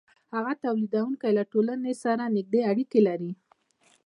هغه تولیدونکی له ټولنې سره نږدې اړیکې لري